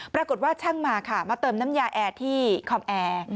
ปรากฏว่าช่างมาค่ะมาเติมน้ำยาแอร์ที่คอมแอร์